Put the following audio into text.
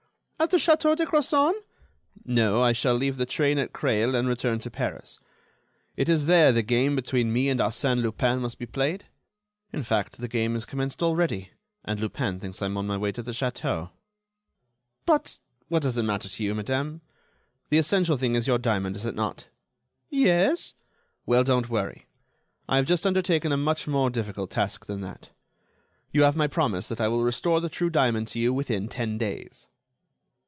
"At the Château de Crozon?" "No. I shall leave the train at Creil and return to Paris. It is there the game between me and Arsène Lupin must be played. In fact, the game has commenced already, and Lupin thinks I am on my way to the château." "But—" "What does it matter to you, madame? The essential thing is your diamond, is it not?" "Yes." "Well, don't worry. I have just undertaken a much more difficult task than that. You have my promise that I will restore the true diamond to you within ten days."